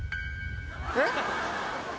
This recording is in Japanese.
えっ？